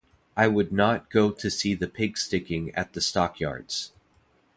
I would not go to see the pig-sticking at the stockyards.